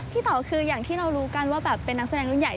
เต๋าคืออย่างที่เรารู้กันว่าแบบเป็นนักแสดงรุ่นใหญ่